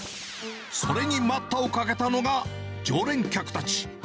それに待ったをかけたのが常連客たち。